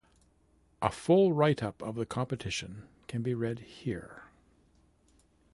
A full write up of the competition can be read here.